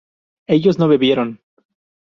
¿ellos no bebieron?